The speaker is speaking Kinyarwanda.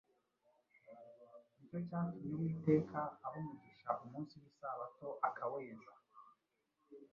nicyo cyatumye Uwiteka aha umugisha umunsi w’Isabato akaweza